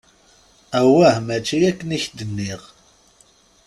Awah mačči akken i k-d-nniɣ!